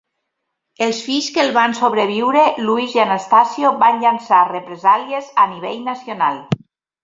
Els fills que el van sobreviure Luis i Anastasio van llançar represàlies a nivell nacional.